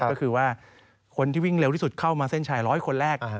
ก็คือว่าคนที่วิ่งเร็วที่สุดเข้ามาเส้นชาย๑๐๐คนแรก